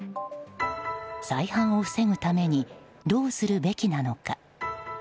再犯を防ぐためにどうするべきなのか。